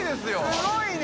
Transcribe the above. すごいね！